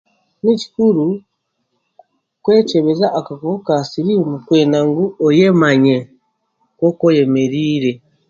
Ni kikuru kwekyebeza akakooko ka siriimu kwenda ngu oyemanye nk'oku oyemereire